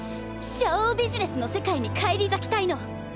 ショウビジネスの世界に返り咲きたいの。